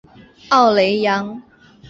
奥雷扬。